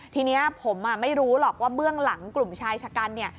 ทีนี้ผมไม่รู้หรอกว่าเบื้องหลังกลุ่มชายชะกันเนี่ย